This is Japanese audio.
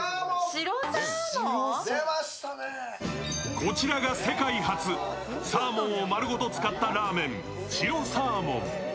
こちらが世界初、サーモンを丸ごと使った塩サーモン。